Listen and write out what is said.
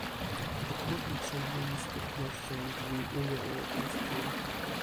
Otwórzmy przed nimi z ufnością drzwi Unii Europejskiej